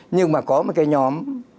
nhưng mà có một cái nhóm